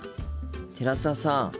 寺澤さん。